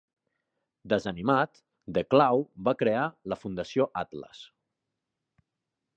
Desanimat, The Claw va crear la fundació Atlas.